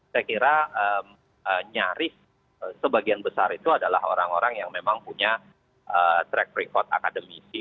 saya kira nyaris sebagian besar itu adalah orang orang yang memang punya track record akademisi